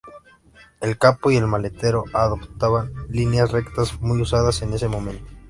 El capó y el maletero adoptaban líneas rectas muy usadas en ese momento.